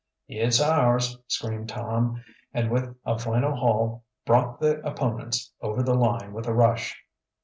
"It's ours!" screamed Tom, and with a final haul brought the opponents over the line with a rush.